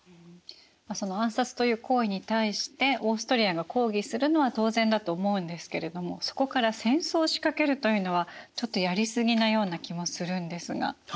その暗殺という行為に対してオーストリアが抗議するのは当然だと思うんですけれどもそこから戦争を仕掛けるというのはちょっとやりすぎなような気もするんですが。